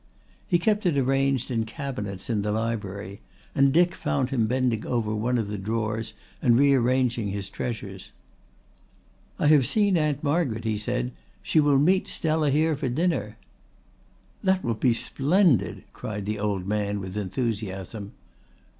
He kept it arranged in cabinets in the library and Dick found him bending over one of the drawers and rearranging his treasures. "I have seen Aunt Margaret," he said. "She will meet Stella here at dinner." "That will be splendid," cried the old man with enthusiasm.